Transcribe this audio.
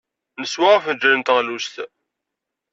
Neswa afenjal n teɣlust.